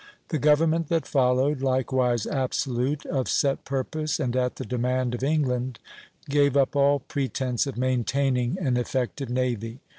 The government that followed, likewise absolute, of set purpose and at the demand of England, gave up all pretence of maintaining an effective navy.